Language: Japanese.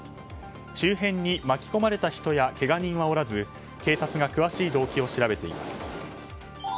周辺に巻き込まれた人やけが人はおらず警察が詳しい動機を調べています。